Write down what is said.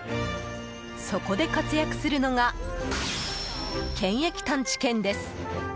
そこで活躍するのが検疫探知犬です。